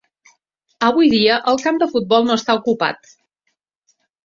Avui dia el camp de futbol no està ocupat.